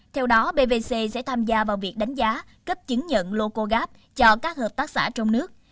theo đó bvc sẽ tham gia vào việc đánh giá cấp chứng nhận locogap cho các hợp tác xã trong nước